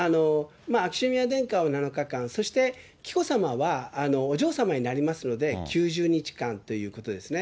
秋篠宮殿下はそして紀子さまは、お嬢様になりますので、９０日間ということですね。